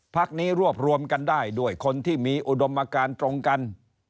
พักนี้รวบรวมกันได้ด้วยคนที่มีอุดมการตรงกัน